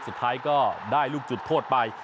สุดท้ายก็ได้ลูกจุดโทษไป